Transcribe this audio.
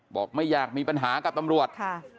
ไม่อยากมีปัญหากับตำรวจ